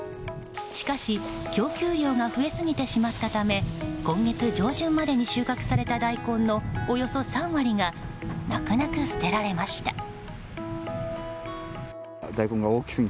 しかし、供給量が増えすぎてしまったため今月上旬までに収穫された大根のおよそ３割が泣く泣く捨てられました。